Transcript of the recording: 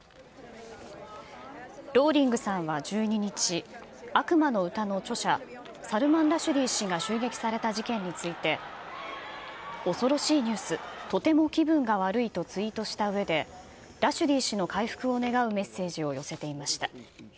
ローリングさんは１２日、悪魔の詩の著者、サルマン・ラシュディ氏が襲撃された事件について、恐ろしいニュース、とても気分が悪いとツイートしたうえで、ラシュディ氏の回復を願うメッセージを寄せていました。